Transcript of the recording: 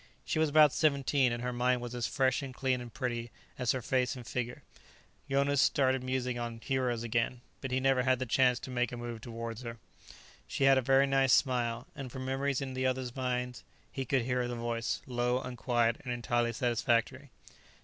She was about seventeen, and her mind was as fresh and clean and pretty as her face and figure. Jonas started musing on Heroes again, but he never had the chance to make a move toward her. She had a very nice smile, and from memories in the others' minds he could hear her voice, low and quiet and entirely satisfactory.